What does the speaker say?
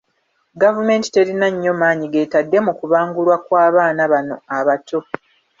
Gavumenti terina nnyo maanyi g'etadde mu kubangulwa kwa baana bano abato.